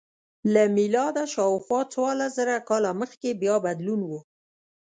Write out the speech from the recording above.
له میلاده شاوخوا څوارلس زره کاله مخکې بیا بدلون و